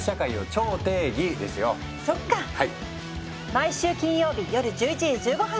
毎週金曜日夜１１時１５分から！